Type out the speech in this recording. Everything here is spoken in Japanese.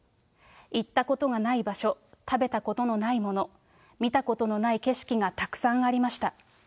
行ったことがない場所、食べたことのないもの、見たことのない景色がたくさんありました。